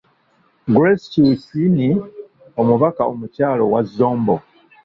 Grace Kwiyucwiny , omubaka omukyala owa Zombo.